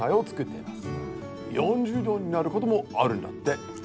４０度になることもあるんだって。